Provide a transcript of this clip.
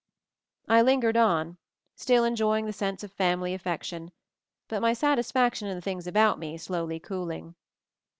I lingered on, still enjoying the sense of family affection, but my satisfaction in the things about me slowly cooling.